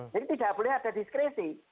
jadi tidak boleh ada diskresi